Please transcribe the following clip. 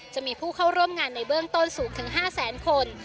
จะมีผู้เข้าร่วมงานในเบื้องต้นสูงถึง๕แสนคน